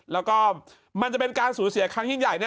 แล้วก็มันจะเป็นการสูญเสียครั้งยิ่งใหญ่